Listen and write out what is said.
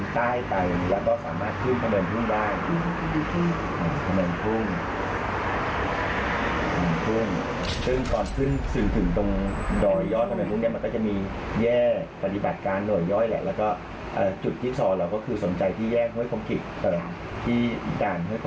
ที่ห้วยคมกฤต